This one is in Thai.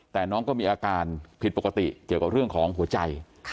แต่น้องก็มีอาการผิดปกติเกี่ยวกับเรื่องของหัวใจ